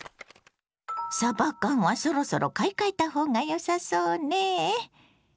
さば缶はそろそろ買い替えた方がよさそうね。